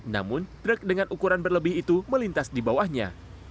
namun truk dengan ukuran berlebih itu melintas di bawahnya